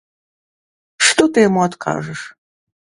Што ты яму адкажаш?